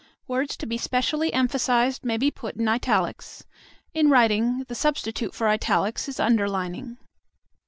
Words to be specially emphasized may be put in italics. In writing, the substitute for italics is underlining.